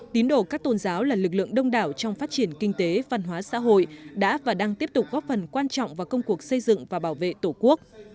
tín đồ các tôn giáo là lực lượng đông đảo trong phát triển kinh tế văn hóa xã hội đã và đang tiếp tục góp phần quan trọng vào công cuộc xây dựng và bảo vệ tổ quốc